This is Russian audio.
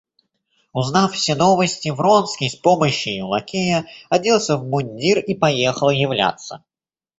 Узнав все новости, Вронский с помощию лакея оделся в мундир и поехал являться.